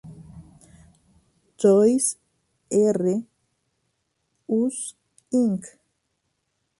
Toys "R" Us, Inc.